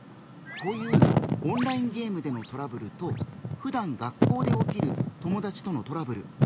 こういうオンラインゲームでのトラブルとふだん学校で起きる友達とのトラブル。